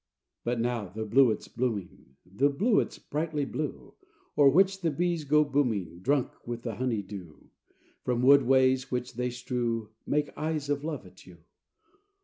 VIII But now the bluets blooming, The bluets brightly blue, O'er which the bees go booming, Drunk with the honey dew, From wood ways which they strew, Make eyes of love at you....